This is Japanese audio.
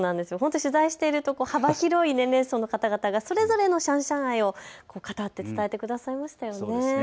取材していると幅広い年齢層の方々がそれぞれのシャンシャン愛を語って伝えてくださいましたよね。